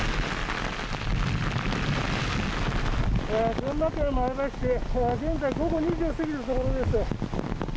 群馬県前橋市、現在午後２時を過ぎたところです。